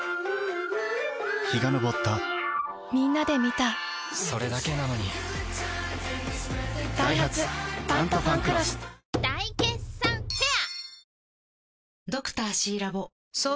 陽が昇ったみんなで観たそれだけなのにダイハツ「タントファンクロス」大決算フェア